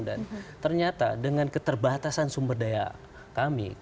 dan ternyata dengan keterbatasan sumber daya kami